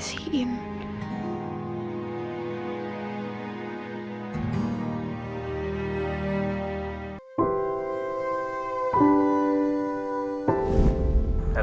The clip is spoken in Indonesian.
kalian yang dikejari